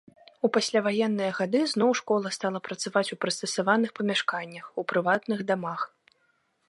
У пасляваенныя гады зноў школа стала працаваць у прыстасаваных памяшканнях, у прыватных дамах.